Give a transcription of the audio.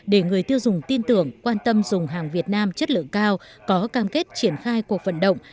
để người tiêu dùng tin tưởng quan tâm dùng hàng việt nam chất lượng cao có cam kết triển khai cuộc vận động